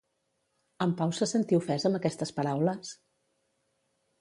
En Pau se sentí ofès amb aquestes paraules?